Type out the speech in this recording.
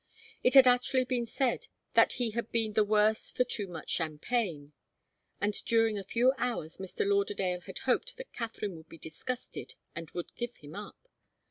It had actually been said that he had been the worse for too much champagne, and during a few hours Mr. Lauderdale had hoped that Katharine would be disgusted and would give him up.